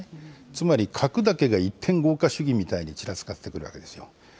つまり核だけが一点豪華主義みたいにちらつかせてくるわけですよ。